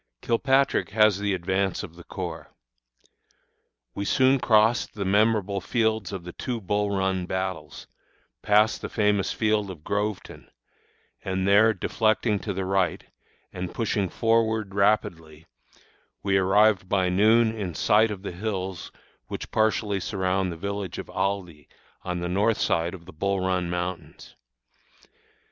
Kilpatrick has the advance of the corps. We soon crossed the memorable fields of the two Bull Run battles, passed the famous field of Groveton, and there deflecting to the right, and pushing forward rapidly, we arrived by noon in sight of the hills which partially surround the village of Aldie, on the north side of the Bull Run Mountains.